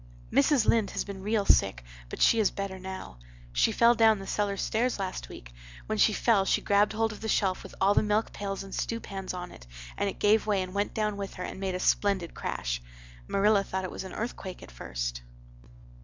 "Mrs. Lynde has been real sick but she is better now. She fell down the cellar stairs last week. When she fell she grabbed hold of the shelf with all the milk pails and stewpans on it, and it gave way and went down with her and made a splendid crash. Marilla thought it was an earthquake at first.